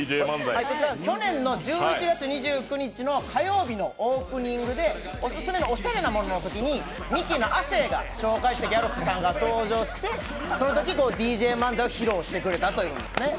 去年の１１月２９日の火曜日のオープニングでオススメのおしゃれなもののときにミキの亜生が紹介したギャロップさんが登場して、そのときにＤＪ漫才を披露してくれたんですね。